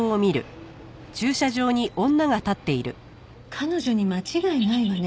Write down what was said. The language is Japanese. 彼女に間違いないわね。